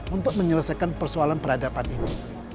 untuk menyelesaikan persoalan peradaban ini